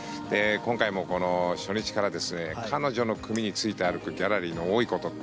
今回も初日から彼女の組について歩くギャラリーの多いこと。